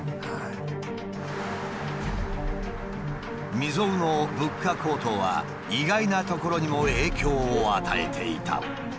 未曽有の物価高騰は意外なところにも影響を与えていた。